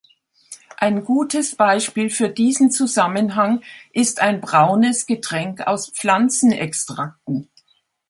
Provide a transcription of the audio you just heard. Ein gutes Beispiel für diesen Zusammenhang ist ein braunes Getränk aus Pflanzenextrakten.